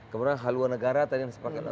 kemudian haluan negara tadi yang sepakat dengan mpr